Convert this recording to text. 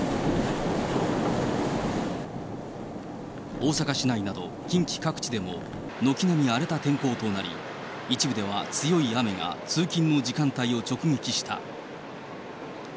大阪市内など、近畿各地でも軒並み荒れた天候となり、一部では強い雨が通勤の時間帯を直撃した。